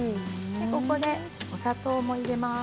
ここでお砂糖も入れます。